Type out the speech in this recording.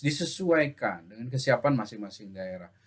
disesuaikan dengan kesiapan masing masing daerah